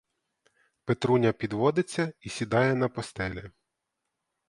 Петруня підводиться і сідає на постелі.